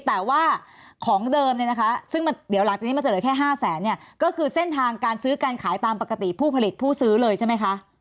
แต่ว่าของเดิมเนี่ยนะคะซึ่งมันเดี๋ยวหลังจากนี้มันจะเหลือแค่๕แสนเนี่ยก็คือเส้นทางการซื้อการขายตามปกติผู้ผลิตผู้ซื้อเลยใช่ไหมคะ